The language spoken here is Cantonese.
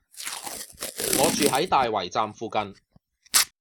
我住喺大圍站附近